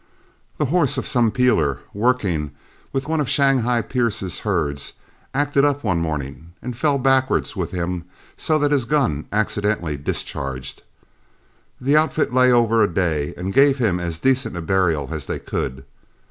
The horse of some peeler, working with one of Shanghai Pierce's herds, acted up one morning, and fell backward with him so that his gun accidentally discharged. The outfit lay over a day and gave him as decent a burial as they could.